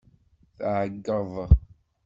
Teɛyiḍ.